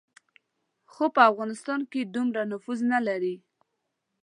خو په افغانستان کې دومره نفوذ نه لري.